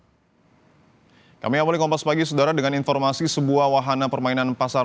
hai kami apel kompas pagi saudara dengan informasi sebuah wahana permainan pasar